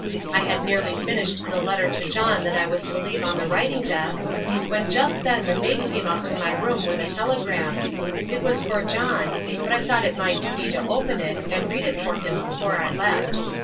I had nearly finished the letter to John that I was to leave on the writing desk, when just then the maid came up to my room with a telegram. It was for John, but I thought it my duty to open it and read it for him before I left.